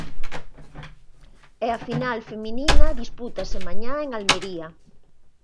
E a final feminina dispútase mañá en Almería.